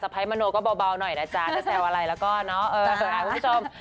สะพายมะโน้ก็เบาหน่อยนะจ๊ะถ้าแซวอะไรแล้วก็เนาะเออหาคุณผู้ชม